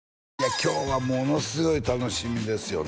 今日はものすごい楽しみですよね